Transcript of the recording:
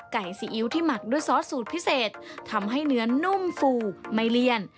ซีอิ๊วที่หมักด้วยซอสสูตรพิเศษทำให้เนื้อนุ่มฟูไม่เลี่ยน